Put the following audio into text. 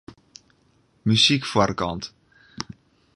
Muzyk foarkant.